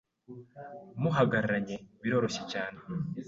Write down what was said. muhagararanye biroroshye cyane